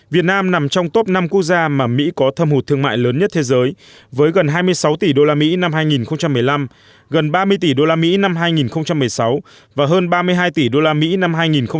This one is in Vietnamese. việt nam nằm trong top năm quốc gia mà mỹ có thâm hụt thương mại lớn nhất thế giới với gần hai mươi sáu tỷ usd năm hai nghìn một mươi năm gần ba mươi tỷ usd năm hai nghìn một mươi sáu và hơn ba mươi hai tỷ usd năm hai nghìn một mươi tám